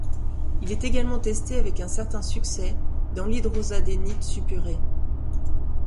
Il est également testé avec un certain succès dans l'hidrosadénite suppurée.